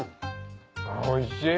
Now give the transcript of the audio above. おいしい。